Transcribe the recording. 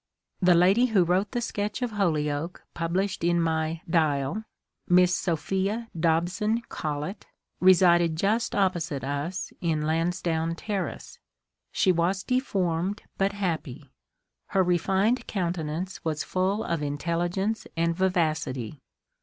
The lady who wrote the sketch of Holyoake published in my *' Dial," Miss Sophia Dobson Collet, resided just opposite us in Lansdowne Terrace. She was deformed but happy ; her refined countenance was full of intelligence and vivacity.